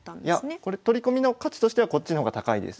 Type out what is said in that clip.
いやこれ取り込みの価値としてはこっちの方が高いです。